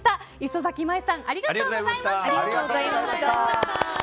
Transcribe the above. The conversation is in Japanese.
磯崎舞さんありがとうございました。